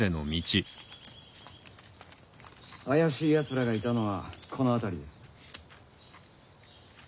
怪しい奴らがいたのはこのあたりです。